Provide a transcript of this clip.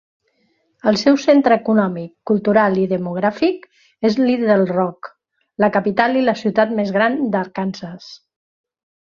El seu centre econòmic, cultural i demogràfic és Little Rock, la capital i la ciutat més gran d'Arkansas.